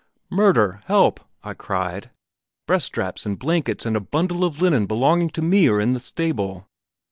'Murder! Help!' I cried; 'breast straps and blankets and a bundle of linen belonging to me are in the stable.'